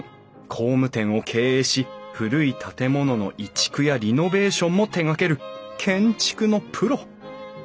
工務店を経営し古い建物の移築やリノベーションも手がける建築のプロ。